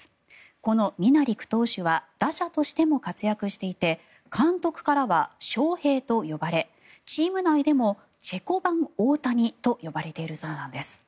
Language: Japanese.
このミナリク投手は打者としても活躍していて監督からはショウヘイと呼ばれチーム内でもチェコ版大谷と呼ばれているそうなんです。